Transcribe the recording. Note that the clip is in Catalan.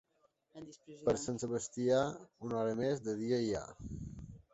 Per Sant Sebastià, una hora més de dia hi ha.